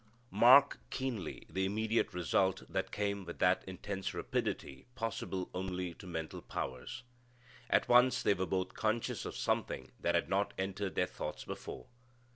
Mark keenly the immediate result that came with that intense rapidity possible only to mental powers. At once they were both conscious of something that had not entered their thoughts before.